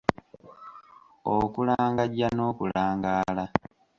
Okulangajja n'okulangaala?